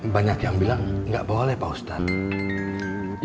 banyak yang bilang nggak boleh pak ustadz